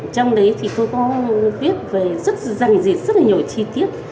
trong đấy thì tôi có viết về rất là dành dịch rất là nhiều chi tiết